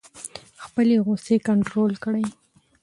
خپلې غصې کنټرول کړئ.